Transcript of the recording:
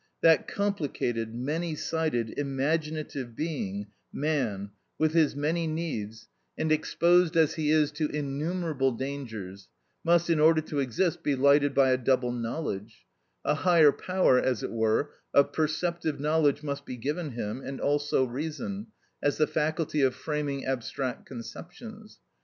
That complicated, many sided, imaginative being, man, with his many needs, and exposed as he is to innumerable dangers, must, in order to exist, be lighted by a double knowledge; a higher power, as it were, of perceptive knowledge must be given him, and also reason, as the faculty of framing abstract conceptions.